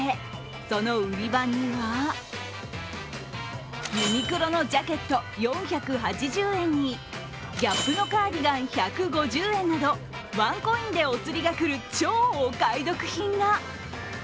その売り場にはユニクロのジャケット４８０円にＧＡＰのカーディガン１５０円などワンコインでおつりが来る超お買い得品が。